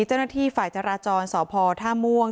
เจ้าหน้าที่ฝ่ายจราจรสพท่าม่วง